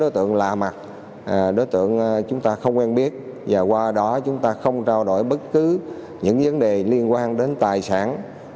đối tượng lạ mặt đối tượng chúng ta không quen biết và qua đó chúng ta không trao đổi bất cứ những vấn đề liên quan đến tài sản